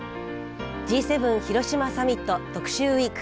Ｇ７広島サミット特集ウイーク。